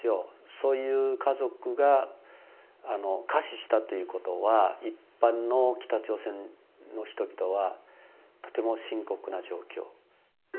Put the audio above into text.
そういう家族が餓死したということは、一般の北朝鮮の人々は、とても深刻な状況。